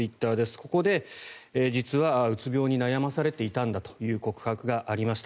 ここで、実はうつ病に悩まされていたんだという告白がありました。